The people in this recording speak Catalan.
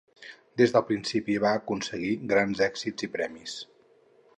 Des del principi va aconseguir grans èxits i premis.